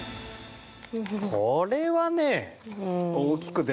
これはね。